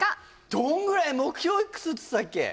どんぐらい目標いくつっつってたっけ？